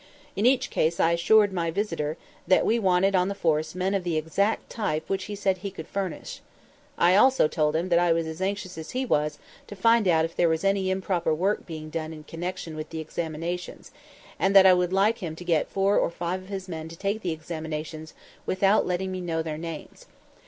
In each case I assured my visitor that we wanted on the force men of the exact type which he said he could furnish. I also told him that I was as anxious as he was to find out if there was any improper work being done in connection with the examinations, and that I would like him to get four or five of his men to take the examinations without letting me know their names.